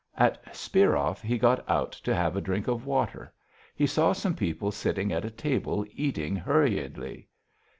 At Spirov he got out to have a drink of water. He saw some people sitting at a table eating hurriedly.